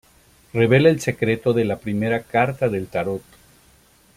Revela el secreto de la primera Carta del tarot.